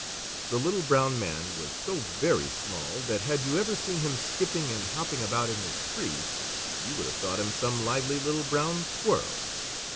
The Little Brown Man was so very small that had you ever seen him skipping and hopping about in his tree, you would have thought him some lively little brown squirrel.